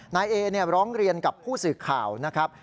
นายเอร้องเรียนกับผู้สื่อข่าวนะครับ